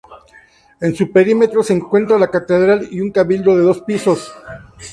En su perímetro se encuentra la catedral y un cabildo de dos pisos.